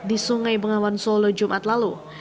di sungai bengawan solo jumat lalu